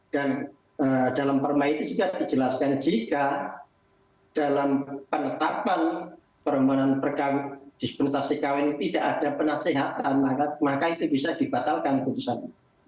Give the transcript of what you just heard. dan dalam perma itu juga dijelaskan jika dalam penetapan permohonan dispensasi kawin tidak ada penasehatan maka itu bisa dibatalkan keputusan